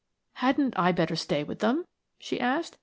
"Hadn't I better stay with them?" she asked.